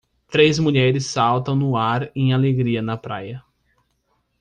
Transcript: Três mulheres saltam no ar em alegria na praia.